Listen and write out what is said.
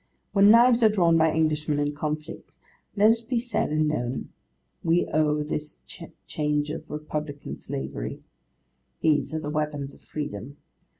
When knives are drawn by Englishmen in conflict let it be said and known: 'We owe this change to Republican Slavery. These are the weapons of Freedom.